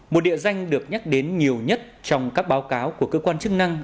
một địa danh được nhắc đến nhiều nhất trong các báo cáo của cơ quan chức năng